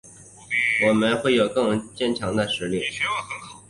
我们会有更坚强的实力